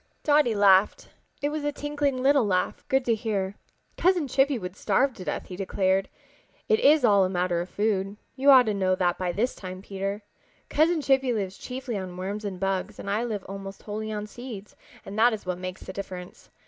Dotty laughed. It was a tinkling little laugh, good to hear. "Cousin Chippy would starve to death," he declared. "It is all a matter of food. You ought to know that by this time, Peter. Cousin Chippy lives chiefly on worms and bugs and I live almost wholly on seeds, and that is what makes the difference.